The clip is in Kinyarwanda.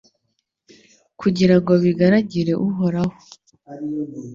kugira ngo bigaragire Uhoraho